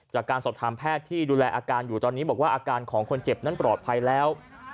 จากการสอบถามแพทย์ที่ดูแลอาการอยู่ตอนนี้บอกว่าอาการของคนเจ็บนั้นปลอดภัยแล้ว